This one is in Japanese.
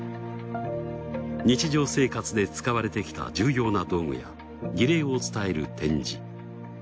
日常生活で使われてきた重要な道具や儀礼を伝える展示。